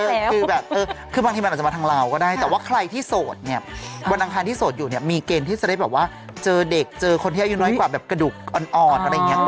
นุ้นแหวนนุ้นแหวน